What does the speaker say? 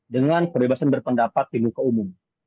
dengan kebebasan berpendapat di muka umum